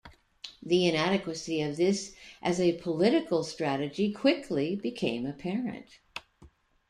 The inadequacy of this as a political strategy quickly became apparent.